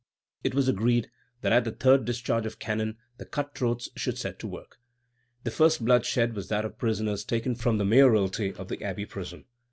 It was agreed that at the third discharge of cannon the cut throats should set to work. The first blood shed was that of prisoners taken from the mayoralty to the Abbey prison.